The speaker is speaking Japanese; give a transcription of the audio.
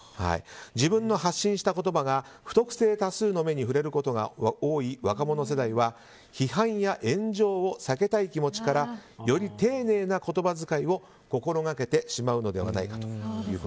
自分の発信した言葉が不特定多数の目に触れることが多い若者世代は批判や炎上を避けたい気持ちからより丁寧な言葉遣いを心がけてしまうのではないかと。